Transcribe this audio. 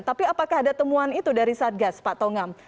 tapi apakah ada temuan itu dari satgas pak tongam